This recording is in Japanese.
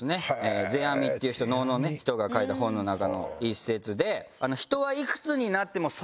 世阿弥っていう人能のね人が書いた本の中の一節で。